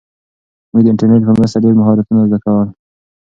موږ د انټرنیټ په مرسته ډېر مهارتونه زده کړل.